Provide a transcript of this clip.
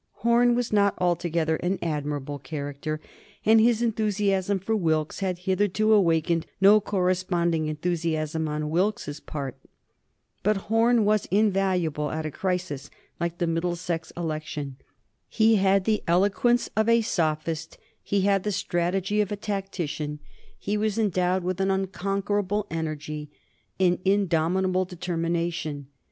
Horne was not altogether an admirable character, and his enthusiasm for Wilkes had hitherto awakened no corresponding enthusiasm on Wilkes's part. But Horne was invaluable at a crisis like the Middlesex election. He had the eloquence of a sophist; he had the strategy of a tactician; he was endowed with an unconquerable energy, an indomitable determination.